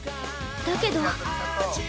だけど。